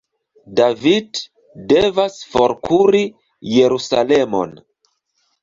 David devas forkuri Jerusalemon.